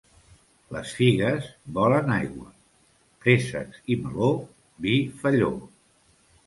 Les figues volen aigua; préssecs i meló, vi felló.